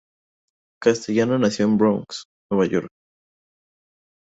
Castellano nació en el Bronx, Nueva York.